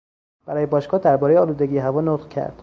برای باشگاه دربارهی آلودگی هوا نطق کرد.